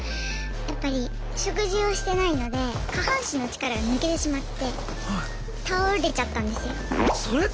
やっぱり食事をしてないので下半身の力が抜けてしまって倒れちゃったんですよ。